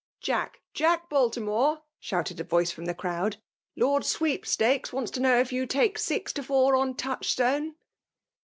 Jack — Jack Baijtimoie!" shouted a Toice £rom the crowd ;<' Lord Sweep stakes wasts to k&ow if you take six t9 fionr onTocidistoine?"